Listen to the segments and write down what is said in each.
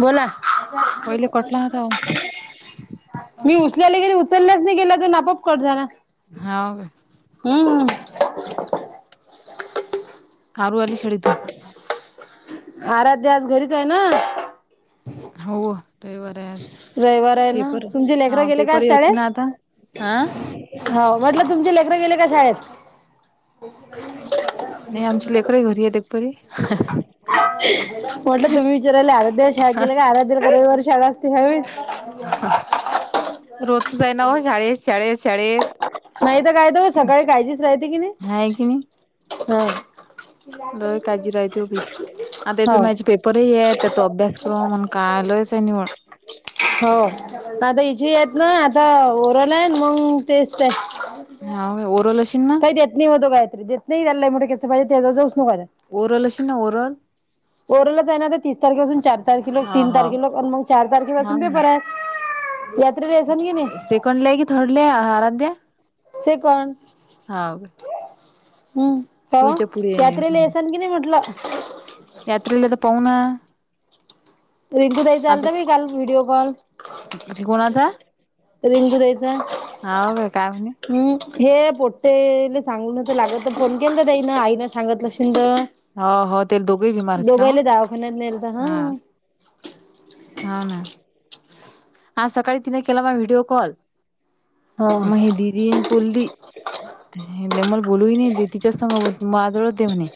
बोला, पहिले कटला होता हो मी उचलायला गेले उचलल्याच नाही गेला तो न आपोआप कट झाला. हाऊ का? हम्म, कामवाली शेडीत. आराध्या आज घरीच आहे ना. हो, रविवार. आहे आज रविवार आहे ना पेपर तुमचे लेकरं हा गेले का, आज पेपरही होती ना शाळेत. आता हा हो, म्हटलं तुमचे लेकर गेले का शाळेत. नाही आमची लेकर घरी येत्यात परी. म्हटलं तुम्ही विचारले आराध्याला शाळेत गेले का, आराध्याला काय रविवारी शाळा असते का. तुम्ही. रोजच आहे ना व शाळेत, शाळेत, शाळेत. नाहीत काय त सकाळी काळजीच राहते की नाही. हाय की नाही हां, लय काळजी राहते, ऒ बाई. आता इथून तर हो माझे पेपरही आहेत. त्या तो अभ्यासक्रम अन काय लयच आहे नव. हो, आता हिची आहेत ना आता ओरल आहेन मग. टेस्ट हाय हाव ओरल अशीन ना काय त्यात. नाही हो दो कायतरी देत नाही त्यालांचं पाजे त्या जाऊ नोय. ओरल अशील ना ओरल. ओरलच आहे ना तर तीस तारखेपासून चार तारखे पर्यंत हा तीन हाव तारखे आणि चार तारखे पासून हाव पेपर ना आहेत. यात्रेला यायचं की नाय, कणले की थर्ड ला आ आराध्या. सिकॉन. हाव काय. हम्म, काव शिवच्या पुढे यात्रेला आहे येसाल कि, नाही म्हटलं. यात्रेला तर पावू ना. रिकू ताईचा आलता आता बाई व्हिडिओ कॉल. कोणाचा रिंकू ताईच्या आला. हाव काय काय म्हणे हम्, हे पोट्टेले सांगून तर लागत तर फोन केल तर ताईन आई ना सांगतलं आशिलं तर. हो हो ते दोघेही बिमार होते ना दोघांना ही दावाखान्यात नेलंत हा, हा ना, आज सकाळी तिने केला मग व्हिडिओ कॉल. हा महि दिदीनं बोलली. मला बोलू ही नाही देत तिच्याच सग मग आजोळात आहं म्हणे.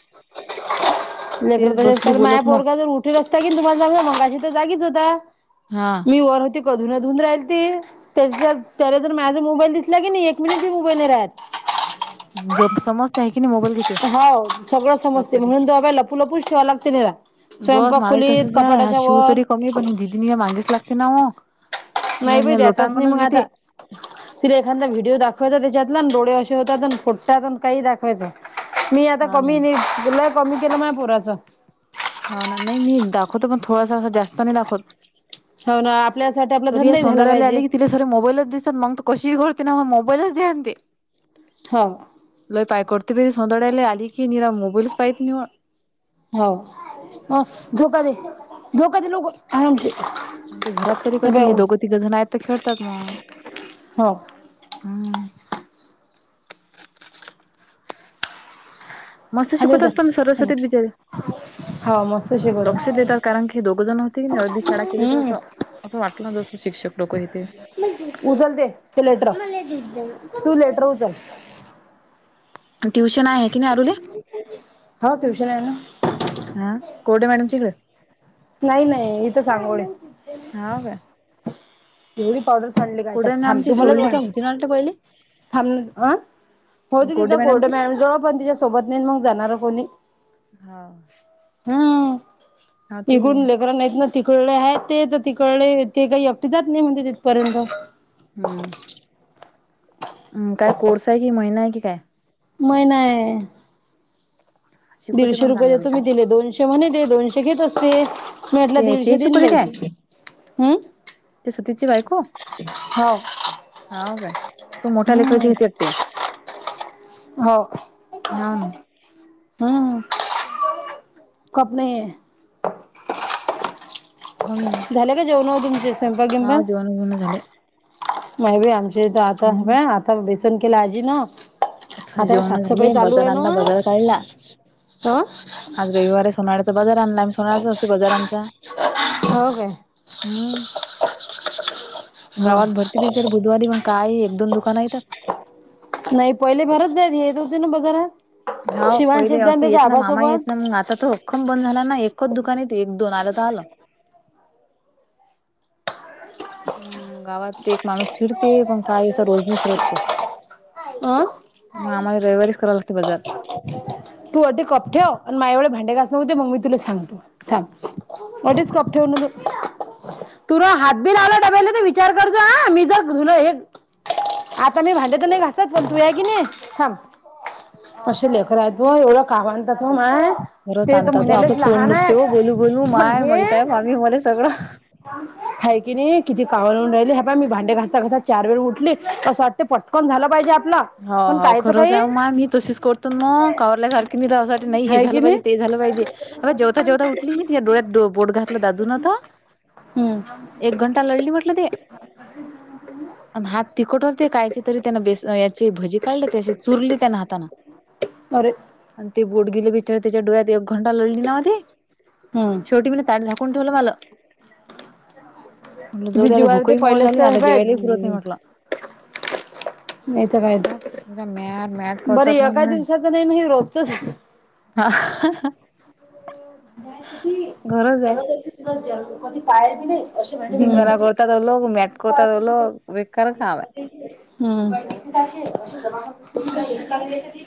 लेकर तेच त बसली माया बोलत मग पोरग जर उठिवर असता कि, तुम्हाला जाऊ जा मगाशी तर जागीच होता. हा, मी वर होते कधून अधून राहिल ती. त्याच्यात त्याला जर माझा मोबाईल दिसला की, नाही एक मिनिटी मोबाईल नाही राहत. जोक समज. हो, सगळं समजते बापारे म्हणून तो बाबा लपू लपू ठेवाव लागते नाही तेला. बस स्वयंपाक मलाही खुलीत कपाटाच्या वर. दिनिया मागेच लागते ना हो. नाही बाई द्यायचाच नाही लोटांगणच मग घेते आता. तिला एखादा व्हिडिओ दाखवायचा त्याच्यातला डोळे असे होतात फोट्टात काही दाखवायचं. ''मी आता हा ना कमी नाही दिलं कमी केलं मा पोराच. हा ना, नाही मी दाखवतो पण थोडासा जास्त नाही दाखवत. हो ना आपल्यासाठी आपला धंदाही झाला पाहिजे. खरं मोबाईलच दिसतात मग कशी लोळते ना मग मोबाईलच दे म्हणते. हो. लय पाय करती सोंधळ्याले आली की निरा मोबाईलस पाहिजे निव्वळ. हाव झोका दे, झोका दे लवकर आराम शिर. ते घरात तरी कसे हे दोघं, तिघं जण आहेत तर खेळतात मग. हो. हम्म. मस्त खाली शिकवतात पण उतर सरस्वतीत बिचारे हा मस्त शिकवते लक्ष देतात कारण की दोघ जण अर्धी शाळा केली तर हम्म असं, असं वाटलं ना जस शिक्षक लोकं इथे उचल ते लेटर, तू लेटर उचल ट्युशन आहे की नाही अरुले हो ट्युशन आहे ना. हा कोरडे मॅडमच्या इकडे? नाही, नाही इथ सांगगोळे. हाव काय. एवढी पावडर साडली काय कोरडे त्यात मॅडम थांब आमची तुम्हाला सोडली का होती ना वाटतं पहिले थांब ना हं होती कोरडे तिथं कोठे मॅडमची मॅडम जवळ पण तिच्या सोबत नाही ना मग जाणार कोणी. हा हा हम्म ती इकून लेकर नाहीत ना. तिकडले आहेत ते तर तिकडले ते काही एकटी जात नाही म्हणते तिथपर्यंत. हम्म, काय कोर्स आहे कि महिना आहे कि काय? महिना आहे. शिकवते दीडशे पण रुपये चांगलं देतो मी बिचारी तिले दोनशे म्हणे ते दोनशे घेत असते. मी म्हटलं ते ते दीडशे देईन शिकवते बाई हम्म. त्या सतीश ची बायको हो हाव काय तो मोठ्या हम्म लेयकरीच वाटते. हो. हाव ना हम्म, कप नाही आहे. हाव ना. झाले का जेवण तुमचे स्वयंपाक गिनपाक? बिवण झाले. नाही बाई आमचे ते तर हम्म आता, आता बेसन केला आजी ना आता हे जेवण साफसफाई झाले चालू बाजार आहेना आणला बाजार काढला. व, अ? आज रविवार हे सोनळ्याचा बाजार आणला आम्ही सोनळ्याचा असते बाजार आमचा. हो काय हम्म, ह गावात भरते बिचारे बुधवारी मग. काय एक, दोन दुकाना येतात. नाही पहिले भरत जायत हेेत येत होते ना बजारात. हाव पहिले असं येत ना मामा येत ना मग आता त खम बंद झाला ना एकच दुकान येते एक, दोन आलं तर आलं. मग गावात एक माणूस फिरते पण काय असं [unintelligible] अ मग आम्हाला रविवारीच करा लागते बाजार. तू अठी कप ठेव आण माये एवढे भांडे घास व्हुदे मग मी तुले सांगतो थांब. अडीच कप ठेवन तु. तुन हात बि लावला डब्याले तर विचार करतो ह मी जर तुला एक आता मी भांडे त नाही घासत पण तू या की नाही कशे लेकर आहेत. हो एवढं काव आनतात हो माय खरंच ते तर आणता तो आपलं म्हणालेच तोंड लहान दुखते हो बोलू बोलू आहेत पण माय हे माहित आहे मामी मला सगळं हाय की नाही किती कावऊन राहिले हे पाय मी भांडे घासता, घासता चार वेळ उठले असं वा ते पटकन झालं पाहिजे आपल. हो हो. खरंच आहे म मी तशीच करतो मग कावल्यासारख. किकनीरावासाठी नाही हे हाय की झालं पाहिजे ते झालं पाहिजे. अ जेवता जेवता उठली मी तिच्या डोळ्यात बोट घातला दिदूून आता. हम्म. एक घंटा लढली म्हटलं ते. आणि हात तखट होते कायचे तरी त्यांना बेस भजी काढले तेशी चुरली त्यान हातान. अरे. आणि ते बोट गिले बिचार त्याच्या डोळ्यात एक घंटा लढली ना ती. हम्म शेवटी म ताट झाक कोण ठेवलं मलं म्हटलं जो किती आता जीवावर भूक मोळ झाली ना आता काय जेवायलाही पुरत नाही म्हटलं. नाही तर काय तर. मॅट मॅट बर करतात ना एका माय दिवसाच नाही नाही रोजचच हाय. हा. घरच आहे करत सुद्धा ज कधी पाया ब नाही. असे भांडे धिंगाणा भेटत कोळतातवलोग मेट कोळतातवलो बेकार काम हे. हम्म.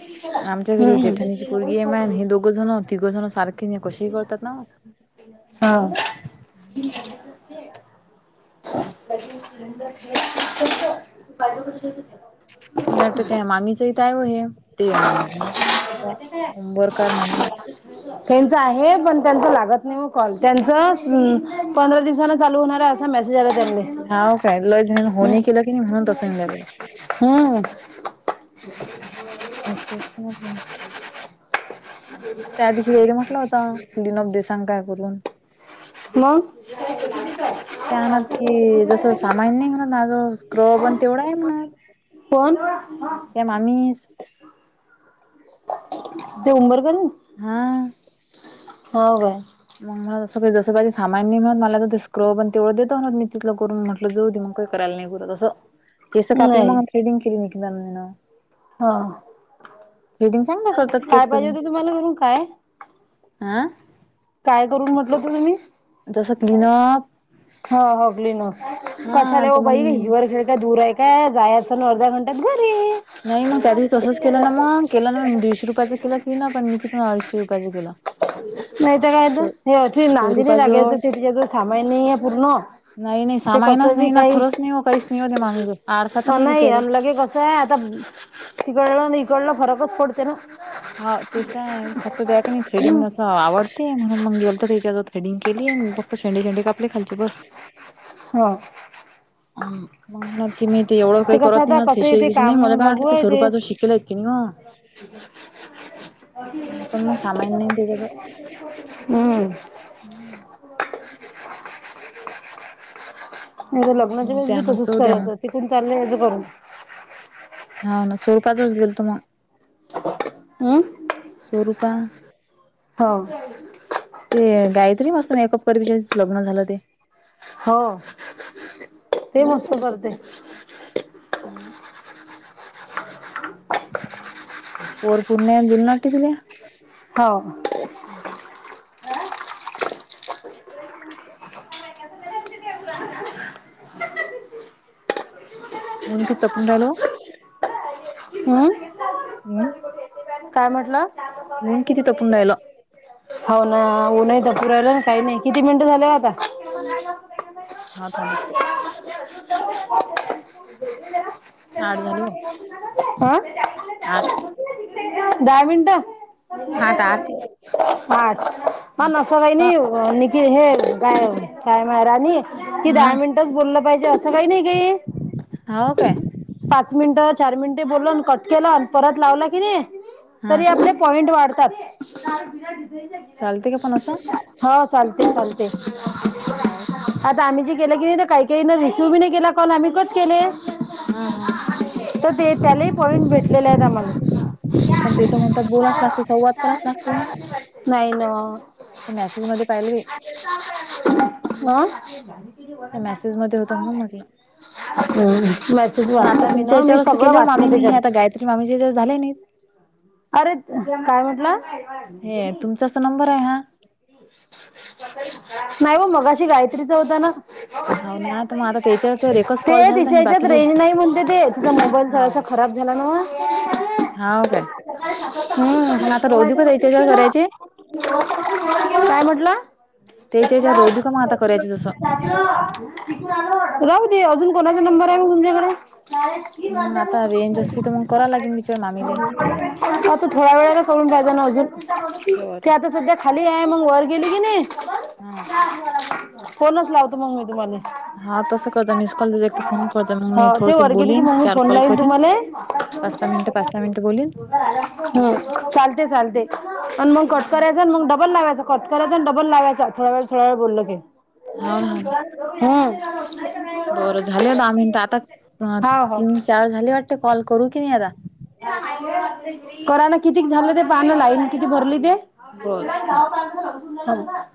आमच्या घरी हे जेठाणीची पोगी ए मान हे दोघं जण तिघ जण सारख हा. [unintelligible] मला वाटतं त्या मामीच इथं आहे व हे ते [unintelligible] उंबरकार मामी त्यांच आहे पण त्यांच लागत नाही कॉल त्यांच पंधरा दिवसाांना चालू होणार अस. आता मेसेज आला हाव काय ल होणे केलं की नाही म्हणून तसंलं. हम्म तेच तर म्हटलं. त्या दिवशी देर म्हटलं होता क्लीन ऑफ दे सांग काय करून. मग त्या आणनात कि जस सामान नाही म्हणतझ. क्र पण तेवढा आहे म्हणा. फोन. ए मामीच झुंबर बघिन. हा हो काय. मग मला जसं जसं पाहिजे सामान नाही मला ते स्क्रब आणि तेवढं देत मी तिथलं करून म्हण. म्हणलं जाऊ दे मग काही करायला नाही असं केस कापले नाही मग थ्रेडिंग केली ननंदन. ह. थ्रेडिंग चांगल्या करतात ते काय पाहिजे होते तुम्हाला करून. काय? आह. काय करून म्हटलं तु न मी. जसं तिनं ह हंगली न. कसाले हो तर मग बाई हिवरखेळ काय दूर आहे. काय जायाच न अर्ध्या घंट्यात घरी. नाही मग त्या दिवशी तसंच केलं ना मग केलं ना मग दिडशे रुपयाचं केलं क्लीन अप निकिता अडीचशे रुपयाचं केलं. नाही तर सो काय तं नांदी नाही स्वरूपाजवळ लागायचं ते तिच्याजवळ सामाईन नाही पूर्ण. नाही नाही ते सामायनच कसं बी नाही ना काही. फरच नाही हो काहीच नाही हो ते मामीजवळ आडसा तर नाही बिचारे लगे कसं आता तिकडलं इकडलं फरकच पडते नं. हा. ते आहे फक्त त्या कानाही हम्म थ्रेडिंग असं आवडते म्हणून मग गेलतो तिच्याजव थ्रेडिंग केली आणि फक्त शेडें शेंडे कापले खालचे बस. हो. मग म्हणालती मी ते एवढं काही कसं करत आता नाही कसं फेशियल येते बिशियल नाही काम मला काय वाटलं ते स्वरूपाचं शिकेल आहे तिनं [unintelligible] हंम [inaudible] पण मग सामान नाही त्याच्याजवळ मी तर लग्नाच्या म्हणून वेळेस ते बी आणत तसंच जाऊ द्या मग करायचं तिकं चालंय हिचं बघू हा ना स्वरूपाच देलतं मग हम् स्वरूपा हो. ते गायत्री मस्त मेकअप परवाच्या लग्न झालं ते हो ते मस्त आहे करते पण हम् पोर पुरण्या दिलनाट दिले हो. ऊन किती तापून रायलो ओ हम्म हम् काय म्हटलं. ऊन किती तपून राहिलं. हो ना.. ऊनही तपून राहिलं काही नाही किती मिनटं झाले आता [unintelligible] हा थांबा. आठ झाले हो हा आठ दहा मिनटं आठ आठ साठ मा नसा अ बहिनी नीकि हे गाय गाय मा राणी कि दहा मिनिटंच बोललं पाहिजे असं काही नाही हा हो काही काय पाच मिनिटं चार मिनिटे बोललोन कट केला परत लावलं की नाही हा तरी आपले पॉइंट वाढतात. चालते का पण असं हो चालते चालते. हो का आता आम्ही जी केलं की नाही काही काहीन रिसिव्ह बी नाही केला कॉल आणि कट केले. हा हा ते त्यालेही पॉईंट भेटलेले आहेत आम्हाले पण ते तर म्हणतात बोलाच लागते संवाद कराच लागते नाही नं. ते मॅसेज मध्ये पाहिलं मी हा त्या मेसेज मध्ये होतं म्हणून म्हटलं हम मेसेज वाचला मी ना मी सगळं वाच- मीने हे आता गायत्री मामीचे ज झालंय ने अरे काय म्हटलं. चस नंबर आहे ना नाही ओ मगाशी गायत्रीचा होता ना हो ना तर मग आता त्याच्यावर एकच कॉल ते झालता तिच्या आणि ह्याच्यात बाकीचे रेंज नाही म्हणते ते तिचा मोबाईल जरासा हाव खराब झाला नव्ह हाव काय मग आता राहू देऊ का त्याच्या याच्यावर करायचे हम् काय म्हटलं. त्याच्या याच्यावर राहू देऊ का मग आता करायचे जसं राहुदे अजून कोणाचा नंबर आहे मग तुमच्याकडे- मग आता रेंज असली तर मग कराव लागेल विचार मामीले [unintelligible] आता थोड्या वेळाने करून पायजा ना अजून, बरं ते आता सध्या- खाली आहे, मग वर गेली की नाही. हां फोनच लावतो, मंग मी तुम्हाले. 'हा, तसं करत जा मिस कॉल एक फोन करत जाय मग मी हो ते थोडस वर गेले की बोलीन, मग मी चार फोन कॉल लावीन करीन, तुम्हाले. बस. '' मिनटं पाच सहा मिनट बोलीन, हं, चालते-चालते आन मग हाव कटकऱ्या- ''मग डबल लावायचं, कट करायाचा डबल लावायचा, थोडा वेळ थोडा वेळ बोललो की, '' हा हा हं ''बरं झाले दहा मिनटं आता, हा हो. तीन-चार झाले वाटते कॉल करू की नाही आता, '' करा न, किती झालं ते पानं, लाईन किती भरली ते, बरं हो जा [unintelligible]